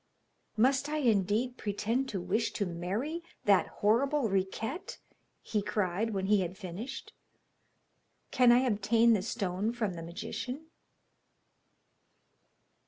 'Must I indeed pretend to wish to marry that horrible Riquette?' he cried, when he had finished. 'Can I obtain the stone from the magician?'